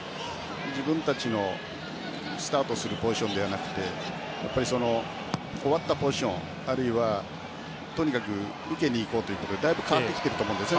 自分たちのスタートするポジションではなくて終わったポジション、あるいは受けに行こうということでだいぶ変わってきていると思います。